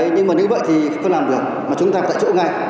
nhưng mà nếu vậy thì không làm được mà chúng ta phải tại chỗ ngay